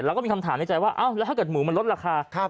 แล้วก็มีคำถามในใจว่าแล้วถ้าเกิดหมูมันลดราคา